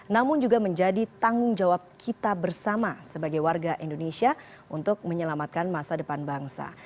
namun juga menjadi tanggung jawab kita bersama sebagai warga indonesia untuk menyelamatkan masa depan bangsa